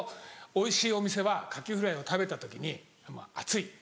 おいしいお店はカキフライを食べた時に熱い。